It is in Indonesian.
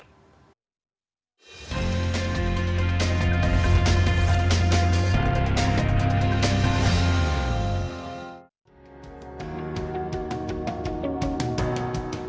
kembali ke pariwisata